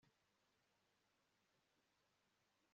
yaravuze ati icyubahiro kirashize kuri israheli